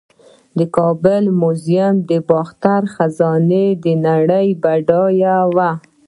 د کابل میوزیم د باختر خزانه د نړۍ بډایه وه